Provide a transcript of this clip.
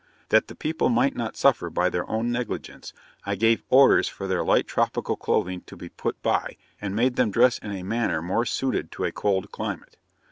That the people might not suffer by their own negligence, I gave orders for their light tropical clothing to be put by, and made them dress in a manner more suited to a cold climate.